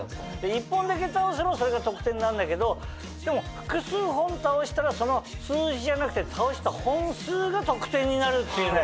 １本だけ倒せばそれが得点になるんだけどでも複数本倒したらその数字じゃなくて倒した本数が得点になるっていうね。